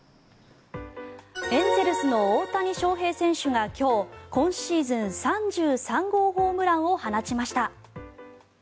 エンゼルスの大谷翔平選手が今日今シーズン３３号ホームランを放ちました。